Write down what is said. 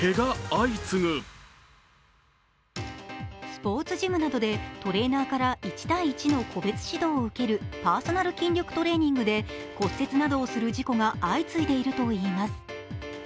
スポーツジムなどでトレーナーから１対１の個別指導を受けるパーソナル筋力トレーニングで骨折などする事故が相次いでいます。